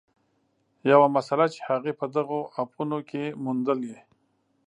یوه مسله چې هغې په دغو اپونو کې موندلې